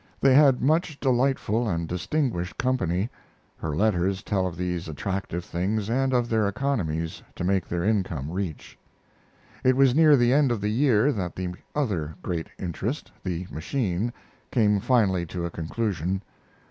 They had much delightful and distinguished company. Her letters tell of these attractive things, and of their economies to make their income reach. It was near the end of the year that the other great interest the machine came finally to a conclusion.